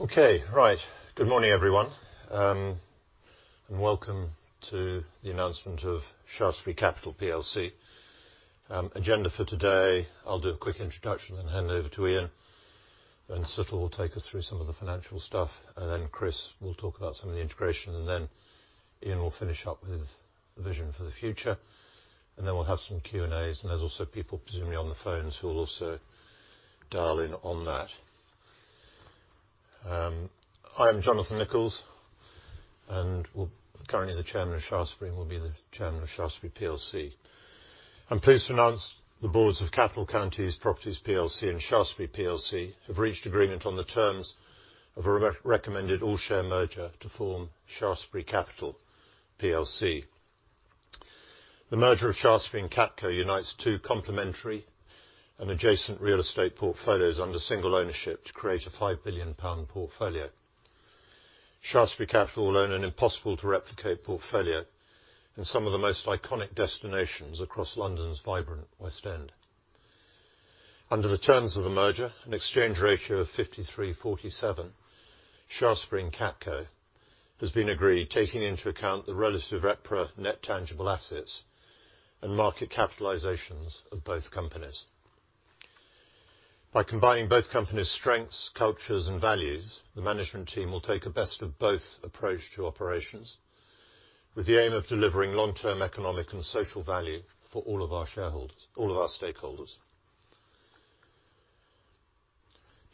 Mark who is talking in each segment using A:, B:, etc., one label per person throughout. A: Okay. Right. Good morning, everyone, and welcome to the announcement of Shaftesbury Capital PLC. Agenda for today, I'll do a quick introduction, then hand over to Ian, then Situl will take us through some of the financial stuff, and then Chris will talk about some of the integration, and then Ian will finish up with vision for the future. We'll have some Q&As, and there's also people presumably on the phones who will also dial in on that. I am Jonathan Nicholls, and well, currently the Chairman of Shaftesbury and will be the Chairman of Shaftesbury PLC. I'm pleased to announce the boards of Capital & Counties Properties PLC and Shaftesbury PLC have reached agreement on the terms of a recommended all-share merger to form Shaftesbury Capital PLC. The merger of Shaftesbury and CapCo unites two complementary and adjacent real estate portfolios under single ownership to create a 5 billion pound portfolio. Shaftesbury Capital will own an impossible to replicate portfolio in some of the most iconic destinations across London's vibrant West End. Under the terms of the merger, an exchange ratio of 53/47, Shaftesbury and CapCo has been agreed, taking into account the relative EPRA net tangible assets and market capitalizations of both companies. By combining both companies' strengths, cultures, and values, the management team will take a best of both approach to operations with the aim of delivering long-term economic and social value for all of our shareholders, all of our stakeholders.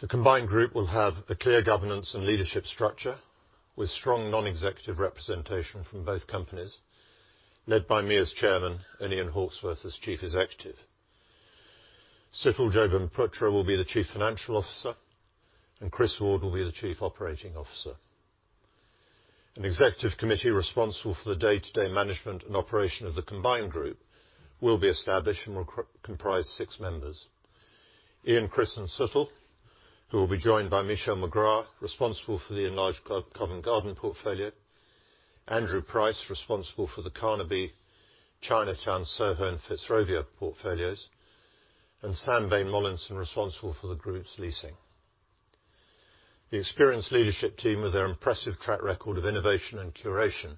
A: The combined group will have a clear governance and leadership structure with strong non-executive representation from both companies, led by me as Chairman and Ian Hawksworth as Chief Executive. Situl Jobanputra will be the Chief Financial Officer, and Chris Ward will be the Chief Operating Officer. An executive committee responsible for the day-to-day management and operation of the combined group will be established and will comprise six members. Ian, Chris, and Situl, who will be joined by Michelle McGrath, responsible for the enlarged Covent Garden portfolio, Andrew Price, responsible for the Carnaby, Chinatown, Soho, and Fitzrovia portfolios, and Sam Bain-Mollison, responsible for the group's leasing. The experienced leadership team, with their impressive track record of innovation and curation,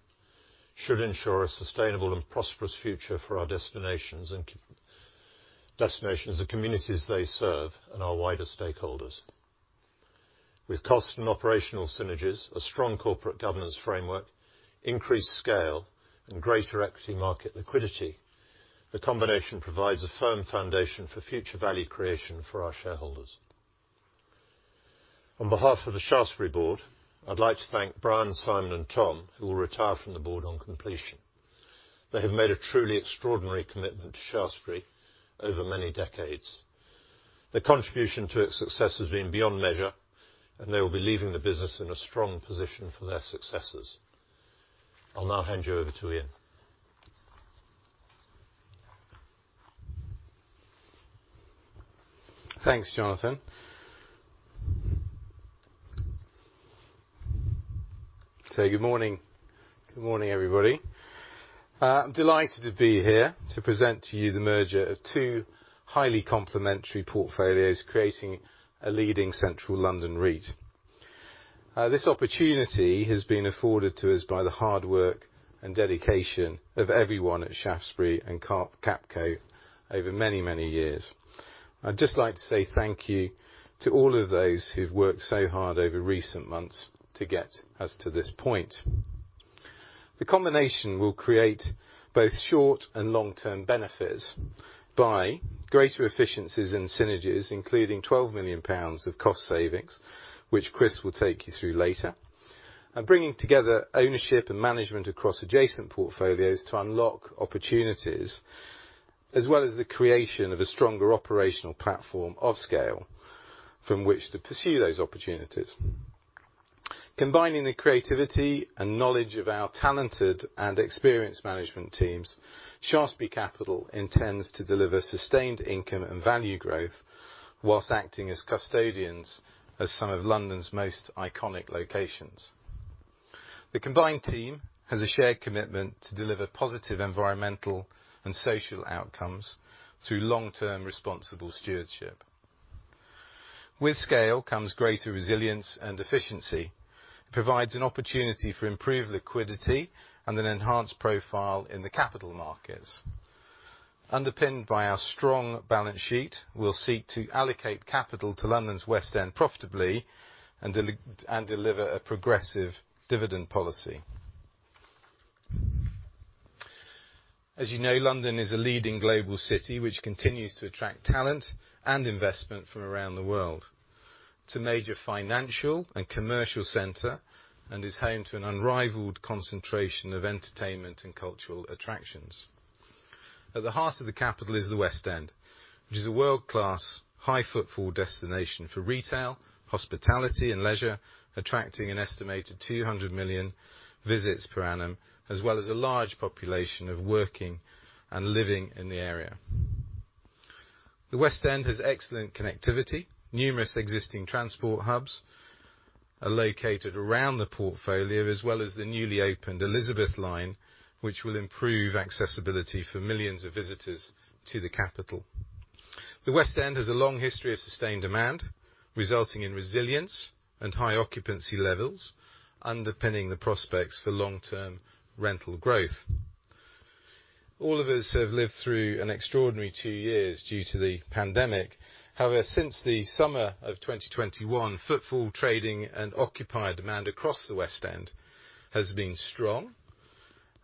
A: should ensure a sustainable and prosperous future for our destinations, the communities they serve, and our wider stakeholders. With cost and operational synergies, a strong corporate governance framework, increased scale, and greater equity market liquidity, the combination provides a firm foundation for future value creation for our shareholders. On behalf of the Shaftesbury board, I'd like to thank Brian, Simon, and Tom, who will retire from the board on completion. They have made a truly extraordinary commitment to Shaftesbury over many decades. Their contribution to its success has been beyond measure, and they will be leaving the business in a strong position for their successors. I'll now hand you over to Ian.
B: Thanks, Jonathan. Good morning. Good morning, everybody. Delighted to be here to present to you the merger of two highly complementary portfolios, creating a leading Central London REIT. This opportunity has been afforded to us by the hard work and dedication of everyone at Shaftesbury and CapCo over many, many years. I'd just like to say thank you to all of those who've worked so hard over recent months to get us to this point. The combination will create both short and long-term benefits by greater efficiencies and synergies, including 12 million pounds of cost savings, which Chris will take you through later. Bringing together ownership and management across adjacent portfolios to unlock opportunities, as well as the creation of a stronger operational platform of scale from which to pursue those opportunities. Combining the creativity and knowledge of our talented and experienced management teams, Shaftesbury Capital intends to deliver sustained income and value growth while acting as custodians of some of London's most iconic locations. The combined team has a shared commitment to deliver positive environmental and social outcomes through long-term responsible stewardship. With scale comes greater resilience and efficiency. It provides an opportunity for improved liquidity and an enhanced profile in the capital markets. Underpinned by our strong balance sheet, we'll seek to allocate capital to London's West End profitably and deliver a progressive dividend policy. As you know, London is a leading global city which continues to attract talent and investment from around the world. It's a major financial and commercial center and is home to an unrivaled concentration of entertainment and cultural attractions. At the heart of the capital is the West End, which is a world-class high-footfall destination for retail, hospitality, and leisure, attracting an estimated 200 million visits per annum, as well as a large population of working and living in the area. The West End has excellent connectivity, numerous existing transport hubs are located around the portfolio as well as the newly opened Elizabeth line, which will improve accessibility for millions of visitors to the capital. The West End has a long history of sustained demand, resulting in resilience and high occupancy levels, underpinning the prospects for long-term rental growth. All of us have lived through an extraordinary two years due to the pandemic. However, since the summer of 2021, footfall, trading and occupier demand across the West End has been strong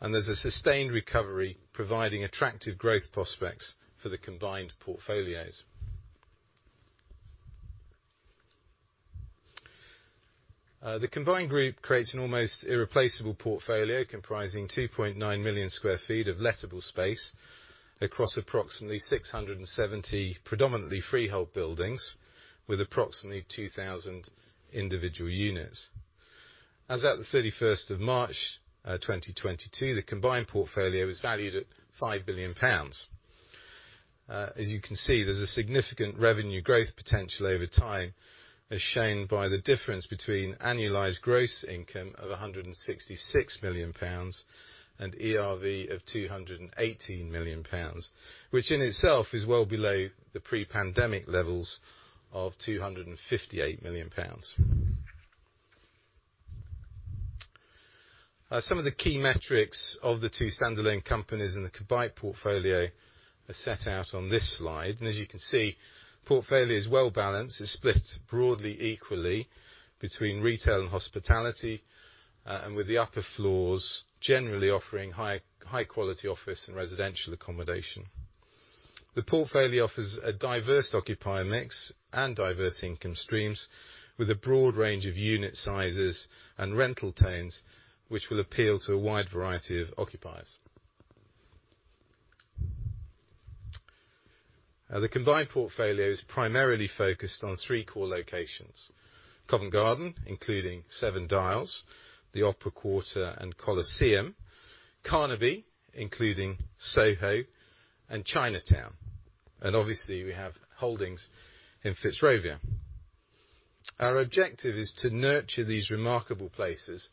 B: and there's a sustained recovery, providing attractive growth prospects for the combined portfolios. The combined group creates an almost irreplaceable portfolio comprising 2.9 million sq ft of lettable space across approximately 670 predominantly freehold buildings with approximately 2,000 individual units. As at the thirty-first of March 2022, the combined portfolio is valued at 5 billion pounds. As you can see, there's a significant revenue growth potential over time, as shown by the difference between annualized gross income of 166 million pounds and ERV of 218 million pounds, which in itself is well below the pre-pandemic levels of 258 million pounds. Some of the key metrics of the two standalone companies in the combined portfolio are set out on this slide. As you can see, portfolio is well-balanced. It's split broadly equally between retail and hospitality, and with the upper floors generally offering high quality office and residential accommodation. The portfolio offers a diverse occupier mix and diverse income streams with a broad range of unit sizes and rental tenures which will appeal to a wide variety of occupiers. The combined portfolio is primarily focused on three core locations, Covent Garden, including Seven Dials, the Opera Quarter and Coliseum, Carnaby, including Soho and Chinatown, and obviously we have holdings in Fitzrovia. Our objective is to nurture these remarkable places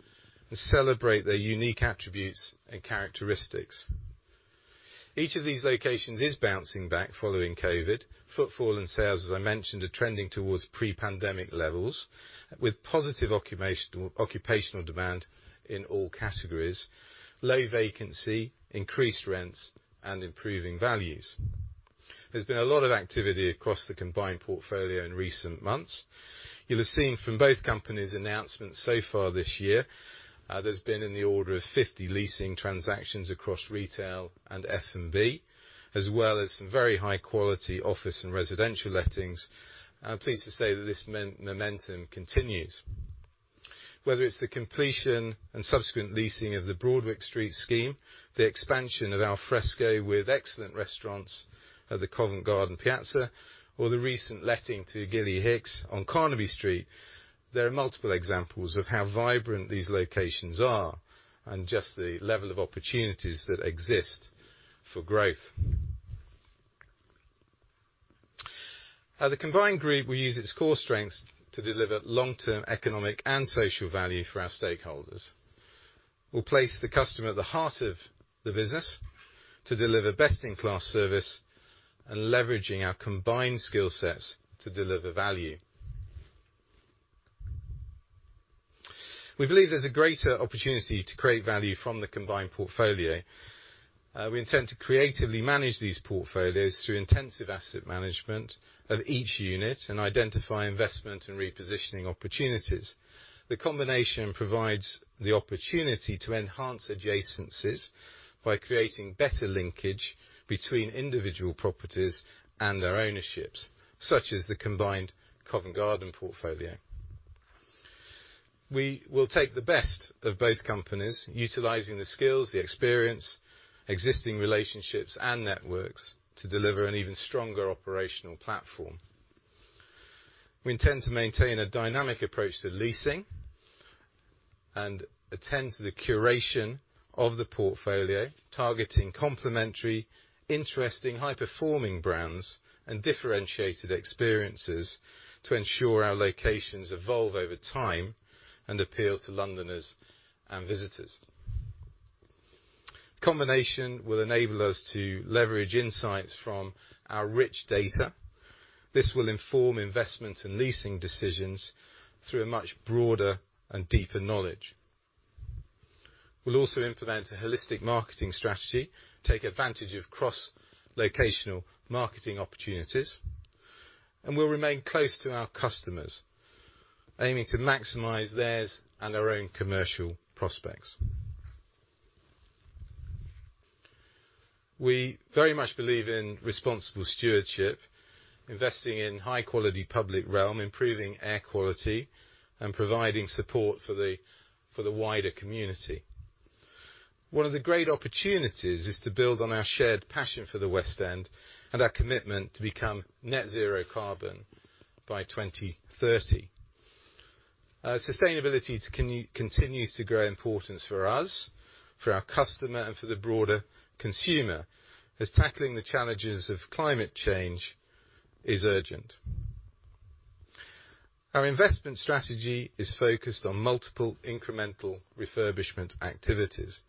B: and celebrate their unique attributes and characteristics. Each of these locations is bouncing back following COVID. Footfall and sales, as I mentioned, are trending towards pre-pandemic levels with positive occupational demand in all categories, low vacancy, increased rents and improving values. There's been a lot of activity across the combined portfolio in recent months. You'll have seen from both companies' announcements so far this year, there's been in the order of 50 leasing transactions across retail and F&B, as well as some very high-quality office and residential lettings. I'm pleased to say that this momentum continues. Whether it's the completion and subsequent leasing of the Broadwick Street scheme, the expansion of Al Fresco with excellent restaurants at the Covent Garden Piazza or the recent letting to Gilly Hicks on Carnaby Street, there are multiple examples of how vibrant these locations are and just the level of opportunities that exist for growth. At the combined group, we use its core strengths to deliver long-term economic and social value for our stakeholders. We'll place the customer at the heart of the business to deliver best-in-class service and leveraging our combined skill sets to deliver value. We believe there's a greater opportunity to create value from the combined portfolio. We intend to creatively manage these portfolios through intensive asset management of each unit and identify investment and repositioning opportunities. The combination provides the opportunity to enhance adjacencies by creating better linkage between individual properties and their ownerships, such as the combined Covent Garden portfolio. We will take the best of both companies, utilizing the skills, the experience, existing relationships and networks to deliver an even stronger operational platform. We intend to maintain a dynamic approach to leasing and attend to the curation of the portfolio, targeting complementary, interesting, high-performing brands and differentiated experiences to ensure our locations evolve over time and appeal to Londoners and visitors. The combination will enable us to leverage insights from our rich data. This will inform investment and leasing decisions through a much broader and deeper knowledge. We'll also implement a holistic marketing strategy, take advantage of cross-locational marketing opportunities, and we'll remain close to our customers, aiming to maximize theirs and our own commercial prospects. We very much believe in responsible stewardship, investing in high-quality public realm, improving air quality and providing support for the wider community. One of the great opportunities is to build on our shared passion for the West End and our commitment to become net zero carbon by 2030. Sustainability continues to grow in importance for us, for our customer and for the broader consumer, as tackling the challenges of climate change is urgent. Our investment strategy is focused on multiple incremental refurbishment activities,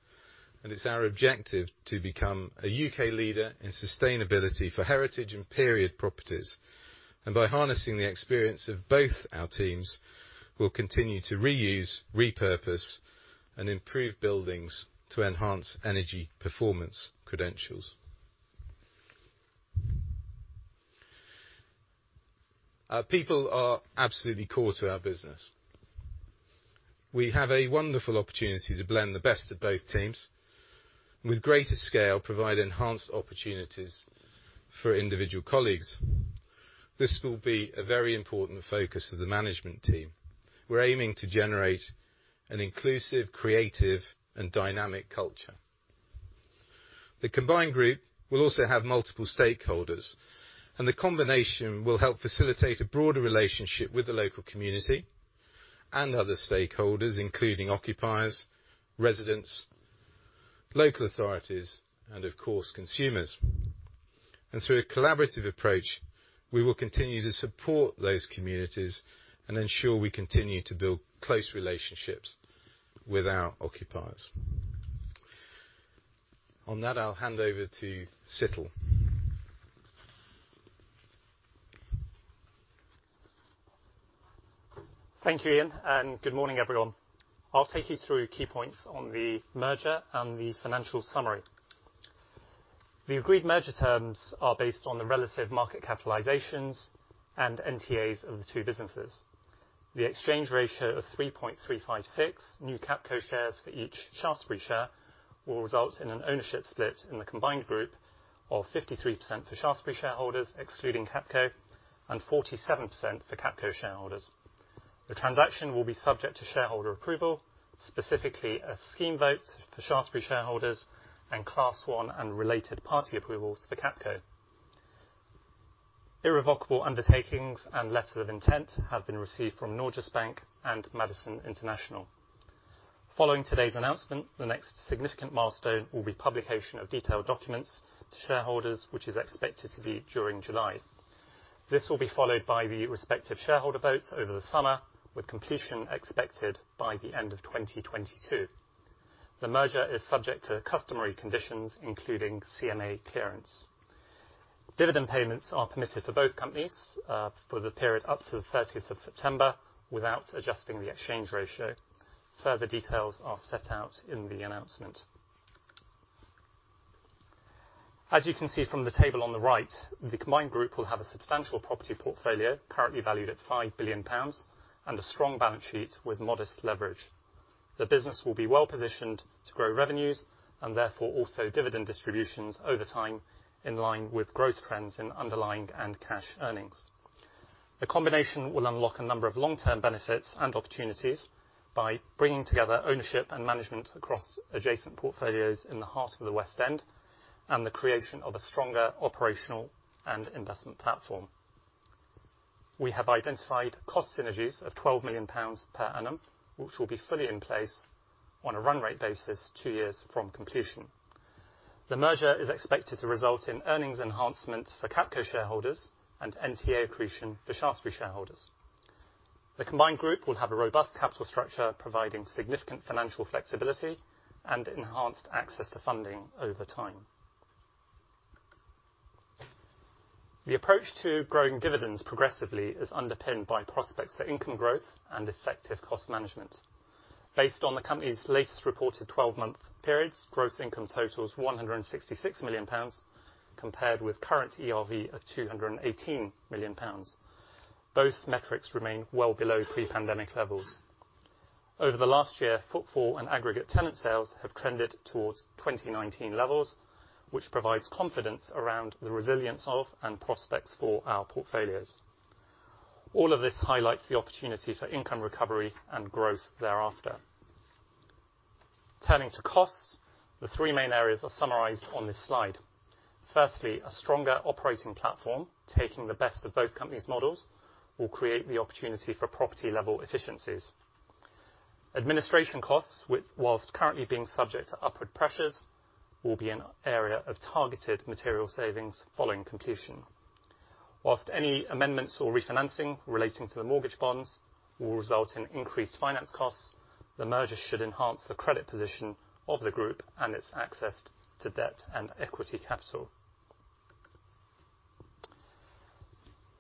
B: and it's our objective to become a UK leader in sustainability for heritage and period properties. By harnessing the experience of both our teams, we'll continue to reuse, repurpose, and improve buildings to enhance energy performance credentials. Our people are absolutely core to our business. We have a wonderful opportunity to blend the best of both teams and with greater scale, provide enhanced opportunities for individual colleagues. This will be a very important focus of the management team. We're aiming to generate an inclusive, creative, and dynamic culture. The combined group will also have multiple stakeholders, and the combination will help facilitate a broader relationship with the local community and other stakeholders, including occupiers, residents, local authorities, and of course, consumers. Through a collaborative approach, we will continue to support those communities and ensure we continue to build close relationships with our occupiers. On that, I'll hand over to Situl.
C: Thank you, Ian, and good morning, everyone. I'll take you through key points on the merger and the financial summary. The agreed merger terms are based on the relative market capitalizations and NTAs of the two businesses. The exchange ratio of 3.356 new CapCo shares for each Shaftesbury share will result in an ownership split in the combined group of 53% for Shaftesbury shareholders, excluding CapCo, and 47% for CapCo shareholders. The transaction will be subject to shareholder approval, specifically a scheme vote for Shaftesbury shareholders and Class 1 and related party approvals for CapCo. Irrevocable undertakings and letter of intent have been received from Norges Bank and Madison International Realty. Following today's announcement, the next significant milestone will be publication of detailed documents to shareholders, which is expected to be during July. This will be followed by the respective shareholder votes over the summer, with completion expected by the end of 2022. The merger is subject to customary conditions, including CMA clearance. Dividend payments are permitted for both companies, for the period up to the thirteenth of September without adjusting the exchange ratio. Further details are set out in the announcement. As you can see from the table on the right, the combined group will have a substantial property portfolio currently valued at 5 billion pounds and a strong balance sheet with modest leverage. The business will be well-positioned to grow revenues and therefore also dividend distributions over time, in line with growth trends in underlying and cash earnings. The combination will unlock a number of long-term benefits and opportunities by bringing together ownership and management across adjacent portfolios in the heart of the West End, and the creation of a stronger operational and investment platform. We have identified cost synergies of 12 million pounds per annum, which will be fully in place on a run rate basis two years from completion. The merger is expected to result in earnings enhancements for CapCo shareholders and NTA accretion for Shaftesbury shareholders. The combined group will have a robust capital structure, providing significant financial flexibility and enhanced access to funding over time. The approach to growing dividends progressively is underpinned by prospects for income growth and effective cost management. Based on the company's latest reported 12-month periods, gross income totals 166 million pounds, compared with current ERV of 218 million pounds. Both metrics remain well below pre-pandemic levels. Over the last year, footfall and aggregate tenant sales have trended towards 2019 levels, which provides confidence around the resilience of and prospects for our portfolios. All of this highlights the opportunity for income recovery and growth thereafter. Turning to costs, the three main areas are summarized on this slide. Firstly, a stronger operating platform, taking the best of both companies' models, will create the opportunity for property-level efficiencies. Administration costs, while currently being subject to upward pressures, will be an area of targeted material savings following completion. While any amendments or refinancing relating to the mortgage bonds will result in increased finance costs, the merger should enhance the credit position of the group and its access to debt and equity capital.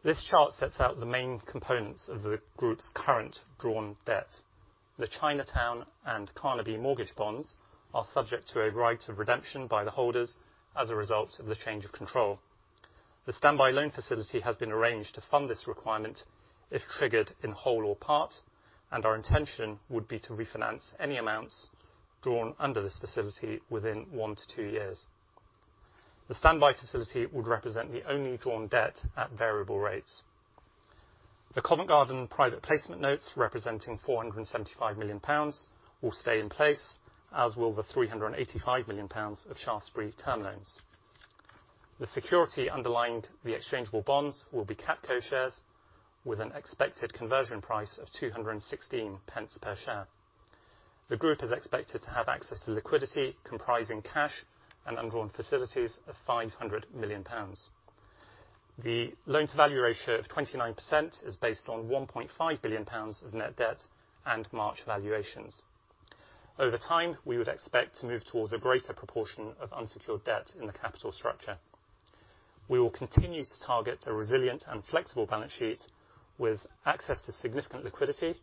C: This chart sets out the main components of the group's current drawn debt. The Chinatown and Carnaby mortgage bonds are subject to a right of redemption by the holders as a result of the change of control. The standby loan facility has been arranged to fund this requirement if triggered in whole or part, and our intention would be to refinance any amounts drawn under this facility within one to two years. The standby facility would represent the only drawn debt at variable rates. The Covent Garden private placement notes, representing 475 million pounds, will stay in place, as will the 385 million pounds of Shaftesbury term loans. The security underlying the exchangeable bonds will be CapCo shares with an expected conversion price of 216 pence per share. The group is expected to have access to liquidity comprising cash and undrawn facilities of 500 million pounds. The loan-to-value ratio of 29% is based on 1.5 billion pounds of net debt and March valuations. Over time, we would expect to move towards a greater proportion of unsecured debt in the capital structure. We will continue to target a resilient and flexible balance sheet with access to significant liquidity,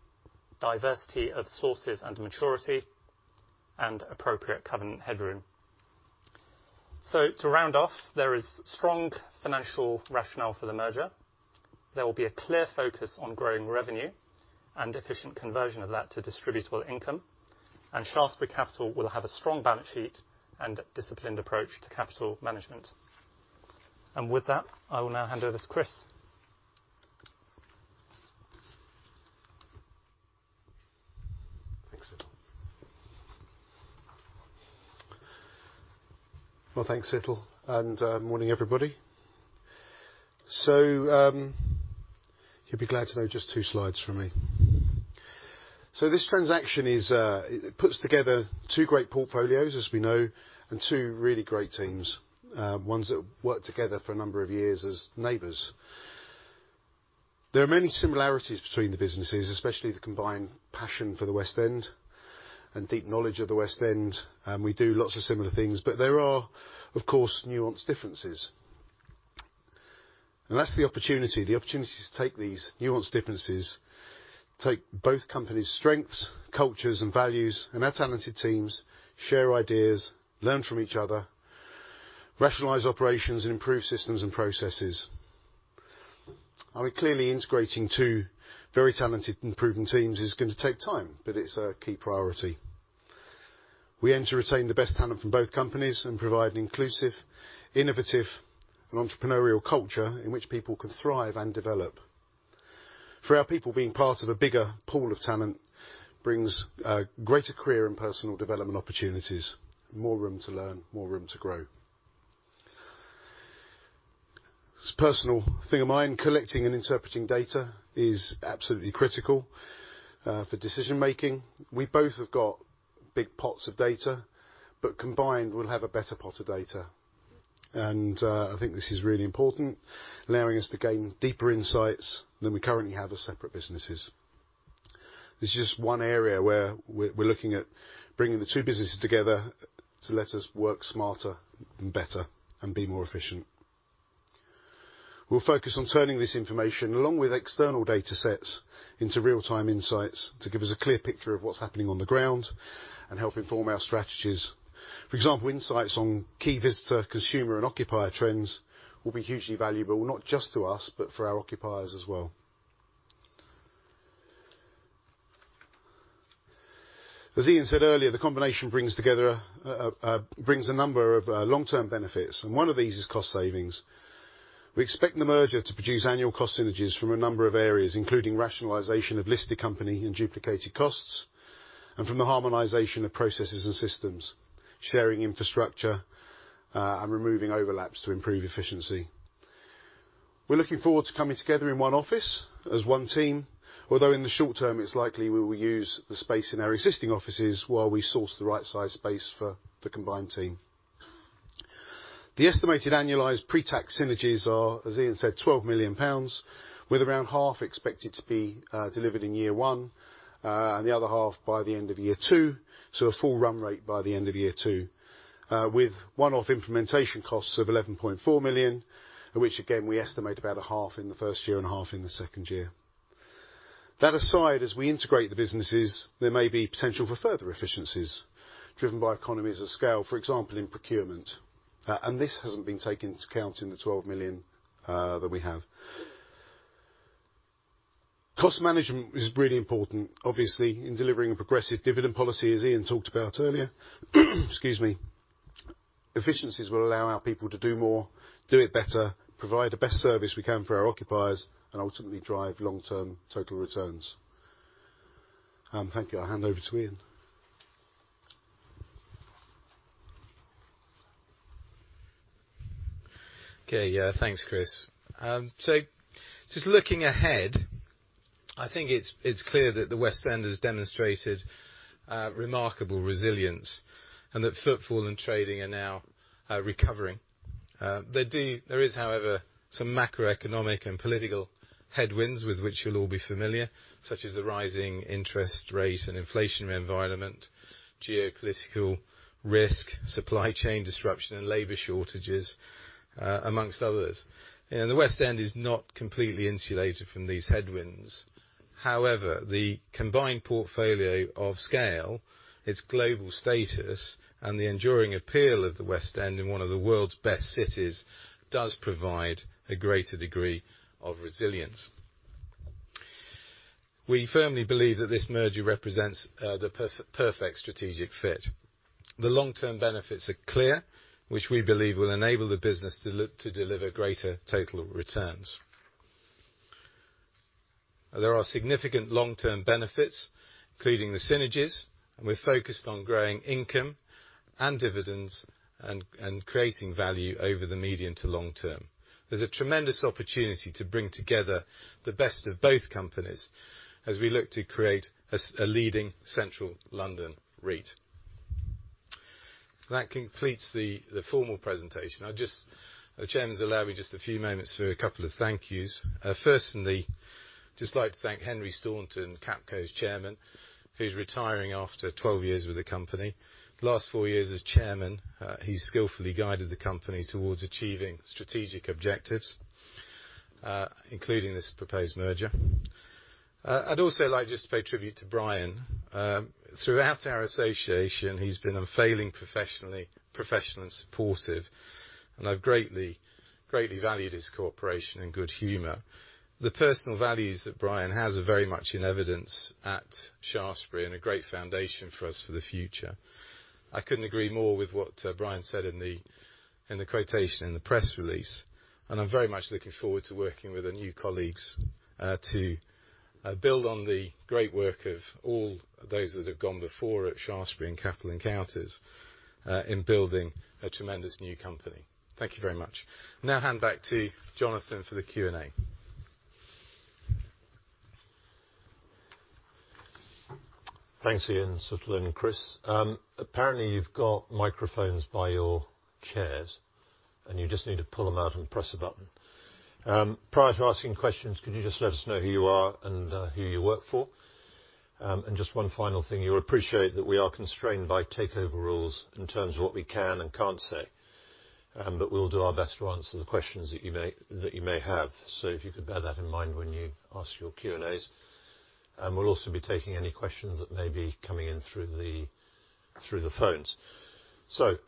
C: diversity of sources and maturity, and appropriate covenant headroom. To round off, there is strong financial rationale for the merger. There will be a clear focus on growing revenue and efficient conversion of that to distributable income. Shaftesbury Capital will have a strong balance sheet and a disciplined approach to capital management. With that, I will now hand over to Chris.
D: Thanks, Situl. Well, thanks, Situl, and morning, everybody. You'll be glad to know just two slides from me. This transaction is it puts together two great portfolios, as we know, and two really great teams, ones that worked together for a number of years as neighbors. There are many similarities between the businesses, especially the combined passion for the West End and deep knowledge of the West End. We do lots of similar things. There are, of course, nuanced differences. That's the opportunity to take these nuanced differences, take both companies' strengths, cultures and values, and our talented teams, share ideas, learn from each other, rationalize operations, and improve systems and processes. Now, clearly integrating two very talented and proven teams is gonna take time, but it's a key priority. We aim to retain the best talent from both companies and provide an inclusive, innovative and entrepreneurial culture in which people can thrive and develop. For our people, being part of a bigger pool of talent brings greater career and personal development opportunities, more room to learn, more room to grow. It's a personal thing of mine. Collecting and interpreting data is absolutely critical for decision-making. We both have got big pots of data, but combined, we'll have a better pot of data. I think this is really important, allowing us to gain deeper insights than we currently have as separate businesses. This is just one area where we're looking at bringing the two businesses together to let us work smarter and better and be more efficient. We'll focus on turning this information, along with external data sets, into real-time insights to give us a clear picture of what's happening on the ground and help inform our strategies. For example, insights on key visitor, consumer and occupier trends will be hugely valuable, not just to us, but for our occupiers as well. As Ian said earlier, the combination brings together a number of long-term benefits, and one of these is cost savings. We expect the merger to produce annual cost synergies from a number of areas, including rationalization of listed company and duplicated costs, and from the harmonization of processes and systems, sharing infrastructure, and removing overlaps to improve efficiency. We're looking forward to coming together in one office as one team, although in the short term, it's likely we will use the space in our existing offices while we source the right size space for the combined team. The estimated annualized pre-tax synergies are, as Ian said, 12 million pounds, with around half expected to be delivered in year one, and the other half by the end of year two, so a full run rate by the end of year two. With one-off implementation costs of 11.4 million, which again, we estimate about a half in the first year and a half in the second year. That aside, as we integrate the businesses, there may be potential for further efficiencies driven by economies of scale, for example, in procurement. This hasn't been taken into account in the 12 million that we have. Cost management is really important, obviously, in delivering a progressive dividend policy, as Ian talked about earlier. Excuse me. Efficiencies will allow our people to do more, do it better, provide the best service we can for our occupiers, and ultimately drive long-term total returns. Thank you. I'll hand over to Ian.
B: Okay, yeah. Thanks, Chris. So just looking ahead, I think it's clear that the West End has demonstrated remarkable resilience and that footfall and trading are now recovering. There is, however, some macroeconomic and political headwinds with which you'll all be familiar, such as the rising interest rate and inflation environment, geopolitical risk, supply chain disruption, and labor shortages, among others. You know, the West End is not completely insulated from these headwinds. However, the combined portfolio of scale, its global status, and the enduring appeal of the West End in one of the world's best cities does provide a greater degree of resilience. We firmly believe that this merger represents the perfect strategic fit. The long-term benefits are clear, which we believe will enable the business to look to deliver greater total returns. There are significant long-term benefits, including the synergies, and we're focused on growing income and dividends and creating value over the medium to long term. There's a tremendous opportunity to bring together the best of both companies as we look to create a leading central London REIT. That completes the formal presentation. The chairman has allowed me just a few moments for a couple of thank yous. Firstly, just like to thank Henry Staunton, CapCo's chairman, who's retiring after 12 years with the company. Last four years as chairman, he skillfully guided the company towards achieving strategic objectives, including this proposed merger. I'd also like just to pay tribute to Brian. Throughout our association, he's been unfailingly professional and supportive, and I've greatly valued his cooperation and good humor. The personal values that Brian has are very much in evidence at Shaftesbury and a great foundation for us for the future. I couldn't agree more with what Brian said in the quotation in the press release, and I'm very much looking forward to working with the new colleagues, to build on the great work of all those that have gone before at Shaftesbury and Capital & Counties, in building a tremendous new company. Thank you very much. Now hand back to Jonathan for the Q&A.
A: Thanks, Ian, Situl and Chris. Apparently you've got microphones by your chairs, and you just need to pull them out and press a button. Prior to asking questions, could you just let us know who you are and who you work for? And just one final thing, you'll appreciate that we are constrained by takeover rules in terms of what we can and can't say. But we'll do our best to answer the questions that you may have. So if you could bear that in mind when you ask your Q&As. We'll also be taking any questions that may be coming in through the phones.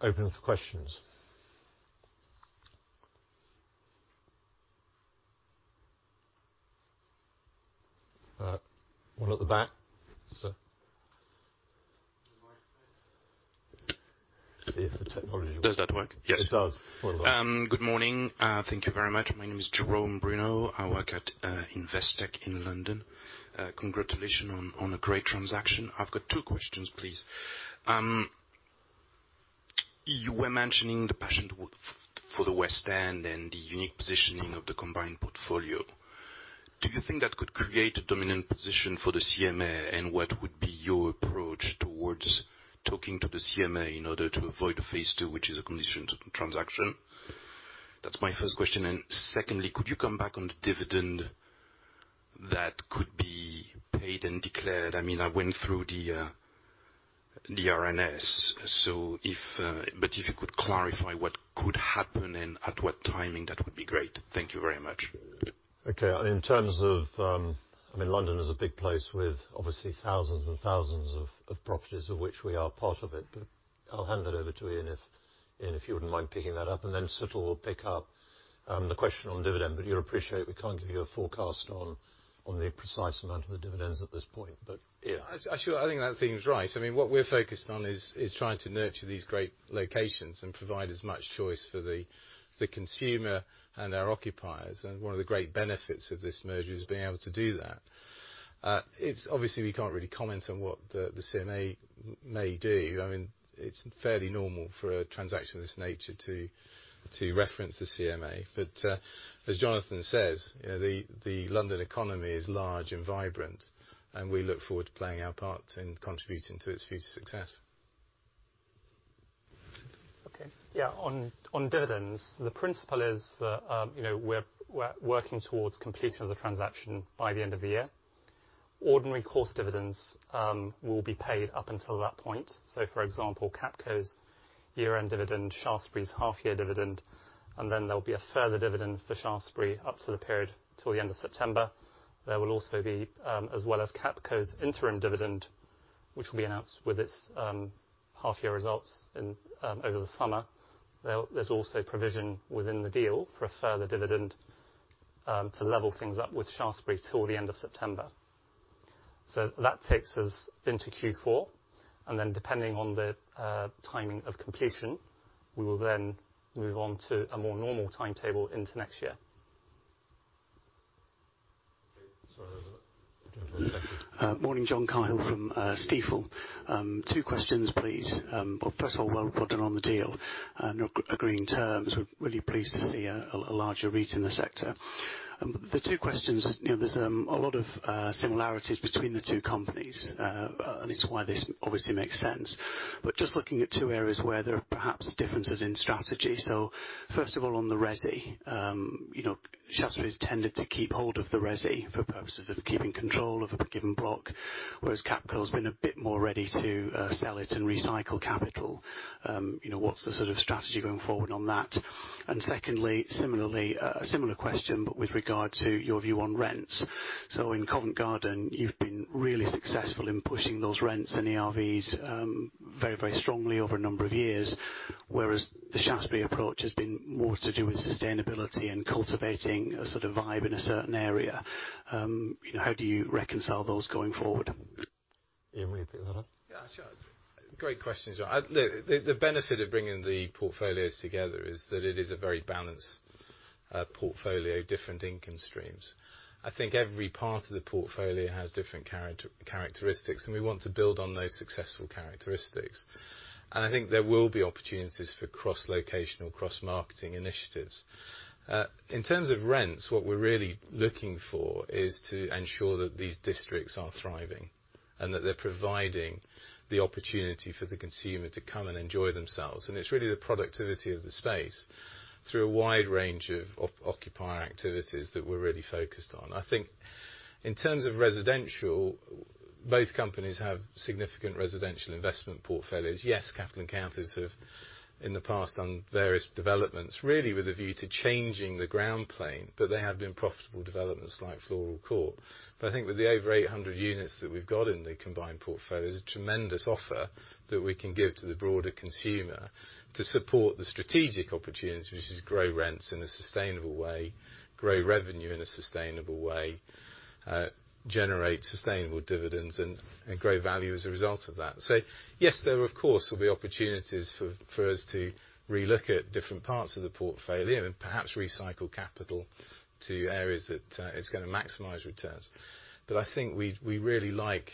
A: Open for questions. One at the back, sir. The microphone. See if the technology.
E: Does that work?
A: Yes.
E: It does.
A: Well done.
E: Good morning. Thank you very much. My name is Jerome Bruneau. I work at Investec in London. Congratulations on a great transaction. I've got two questions, please. You were mentioning the passion for the West End and the unique positioning of the combined portfolio. Do you think that could create a dominant position for the CMA? What would be your approach towards talking to the CMA in order to avoid a phase two, which is a condition to the transaction? That's my first question. Secondly, could you come back on the dividend that could be paid and declared? I mean, I went through the RNS. If you could clarify what could happen and at what timing, that would be great. Thank you very much.
A: Okay. In terms of, I mean, London is a big place with obviously thousands and thousands of properties of which we are part of it. I'll hand it over to Ian if you wouldn't mind picking that up, and then Situl will pick up the question on dividend. You'll appreciate we can't give you a forecast on the precise amount of the dividends at this point. Ian.
B: I assure I think that theme's right. I mean, what we're focused on is trying to nurture these great locations and provide as much choice for the consumer and our occupiers. One of the great benefits of this merger is being able to do that. It's obviously we can't really comment on what the CMA may do. I mean, it's fairly normal for a transaction of this nature to reference the CMA. As Jonathan says, you know, the London economy is large and vibrant, and we look forward to playing our part in contributing to its future success.
A: Situl.
C: Okay. Yeah, on dividends, the principle is that, you know, we're working towards completing the transaction by the end of the year. Ordinary course dividends will be paid up until that point. For example, Capco's year-end dividend, Shaftesbury's half-year dividend, and then there'll be a further dividend for Shaftesbury up to the period till the end of September. There will also be, as well as Capco's interim dividend, which will be announced with its, half-year results in, over the summer. There's also provision within the deal for a further dividend, to level things up with Shaftesbury till the end of September. That takes us into Q4, and then depending on the timing of completion, we will then move on to a more normal timetable into next year.
A: Okay. Sorry. We have one at the back.
F: Morning. John Cahill from Stifel. Two questions, please. First of all, well done on the deal, and agreeing terms. We're really pleased to see a larger REIT in the sector. The two questions, you know, there's a lot of similarities between the two companies, and it's why this obviously makes sense. Just looking at two areas where there are perhaps differences in strategy. First of all, on the resi, you know, Shaftesbury's tended to keep hold of the resi for purposes of keeping control of a given block, whereas Capco's been a bit more ready to sell it and recycle capital. You know, what's the sort of strategy going forward on that? And secondly, similarly, a similar question, but with regard to your view on rents. In Covent Garden, you've been really successful in pushing those rents and ERVs, very, very strongly over a number of years, whereas the Shaftesbury approach has been more to do with sustainability and cultivating a sort of vibe in a certain area. You know, how do you reconcile those going forward?
A: Ian, want you to pick that up.
B: Yeah, sure. Great questions. Look, the benefit of bringing the portfolios together is that it is a very balanced portfolio, different income streams. I think every part of the portfolio has different characteristics, and we want to build on those successful characteristics. I think there will be opportunities for cross-locational, cross-marketing initiatives. In terms of rents, what we're really looking for is to ensure that these districts are thriving and that they're providing the opportunity for the consumer to come and enjoy themselves. It's really the productivity of the space through a wide range of occupier activities that we're really focused on. I think in terms of residential, both companies have significant residential investment portfolios. Yes, Capital & Counties have in the past done various developments, really with a view to changing the ground plane, but they have been profitable developments like Floral Court. I think with the over 800 units that we've got in the combined portfolio is a tremendous offer that we can give to the broader consumer to support the strategic opportunities, which is grow rents in a sustainable way, grow revenue in a sustainable way, generate sustainable dividends and grow value as a result of that. Yes, there of course will be opportunities for us to relook at different parts of the portfolio and perhaps recycle capital to areas that is gonna maximize returns. I think we really like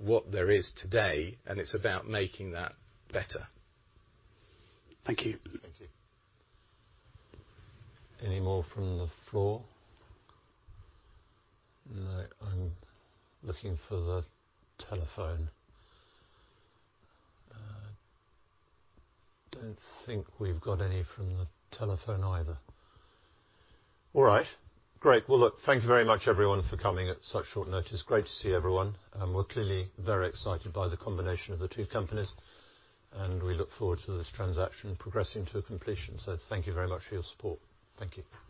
B: what there is today, and it's about making that better.
F: Thank you.
A: Thank you. Any more from the floor? No. I'm looking for the telephone. Don't think we've got any from the telephone either. All right. Great. Well, look, thank you very much everyone for coming at such short notice. Great to see everyone, and we're clearly very excited by the combination of the two companies, and we look forward to this transaction progressing to a completion. Thank you very much for your support. Thank you.
C: Thank you.